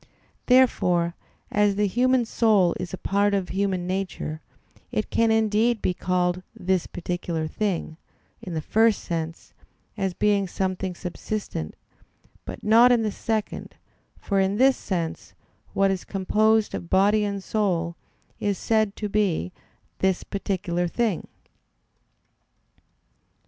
Therefore, as the human soul is a part of human nature, it can indeed be called "this particular thing," in the first sense, as being something subsistent; but not in the second, for in this sense, what is composed of body and soul is said to be "this particular thing."